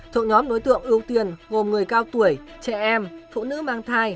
thuộc nhóm đối tượng ưu tiên gồm người cao tuổi trẻ em phụ nữ mang thai